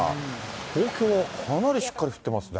東京はかなりしっかり降ってますね。